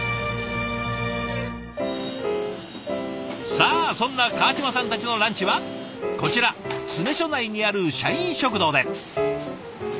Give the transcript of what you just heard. さあそんな川島さんたちのランチはこちら詰め所内にある社員食堂で。